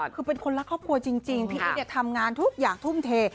คือเป็นคนรักครอบครัวจริงพี่อีททำงานทุกอย่างทุ่มเท